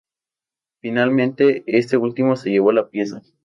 Finalmente este último se llevó la pieza.